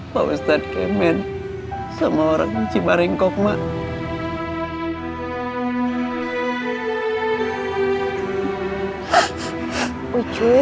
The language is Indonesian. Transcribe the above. pak ustadz kemen sama orang cibaringkok mbak